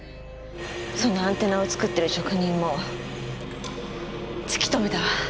そのアンテナを作ってる職人も突き止めたわ。